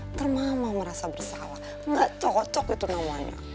ntar mama merasa bersalah nggak cocok itu namanya